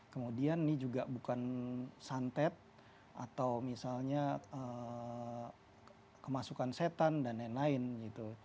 kemudian ini juga bukan santet atau misalnya kemasukan setan dan lain lain gitu